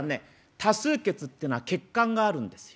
多数決っていうのは欠陥があるんですよ。